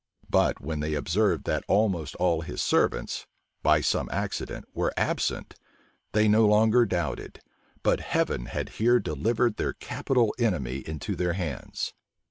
But when they observed that almost all his servants, by some accident, were absent, they no longer doubted, but Heaven had here delivered their capital enemy into their hands.